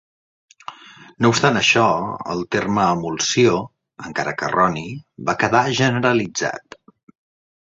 No obstant això el terme emulsió, encara que erroni, va quedar generalitzat.